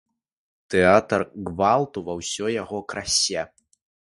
Тэатр гвалту ва ўсёй яго красе.